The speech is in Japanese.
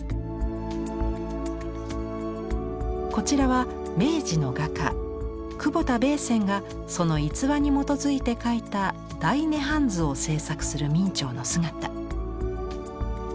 こちらは明治の画家久保田米僊がその逸話に基づいて描いた「大涅槃図」を制作する明兆の姿。